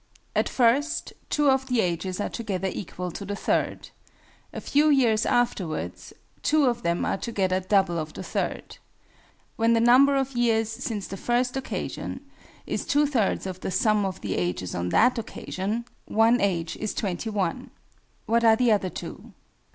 _ "At first, two of the ages are together equal to the third. A few years afterwards, two of them are together double of the third. When the number of years since the first occasion is two thirds of the sum of the ages on that occasion, one age is 21. What are the other two?